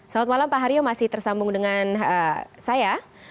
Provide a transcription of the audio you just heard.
selamat malam pak haryo masih tersambung dengan saya